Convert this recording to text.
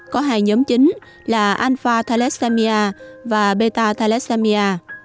có hai nhóm chính là alpha thalesamia và beta thalesamia